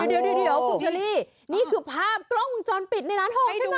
เดี๋ยวคุณเชอรี่นี่คือภาพกล้องวงจรปิดในร้านทองใช่ไหม